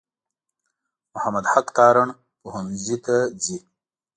محمد حق تارڼ پوهنځي ته ځي.